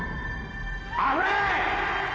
危ない！